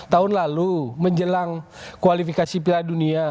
tahun lalu menjelang kualifikasi piala dunia